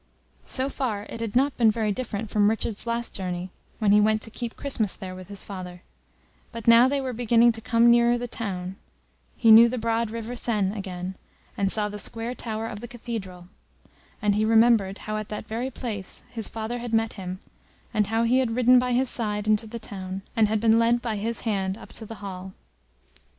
So far it had not been very different from Richard's last journey, when he went to keep Christmas there with his father; but now they were beginning to come nearer the town, he knew the broad river Seine again, and saw the square tower of the Cathedral, and he remembered how at that very place his father had met him, and how he had ridden by his side into the town, and had been led by his hand up to the hall.